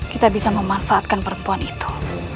kita bisa memanfaatkan perempuan itu